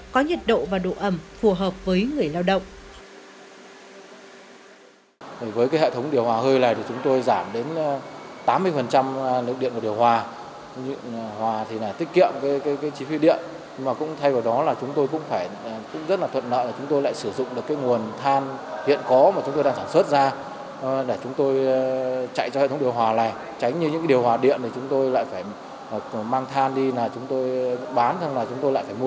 có nhiệt độ và độ ẩm phù hợp với người lao động